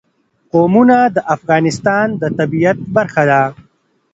قومونه د افغانستان د طبیعت برخه ده.